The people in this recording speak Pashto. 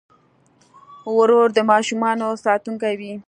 ورور د ماشومانو ساتونکی وي.